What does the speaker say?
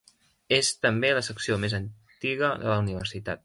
És també la secció més antiga de la universitat.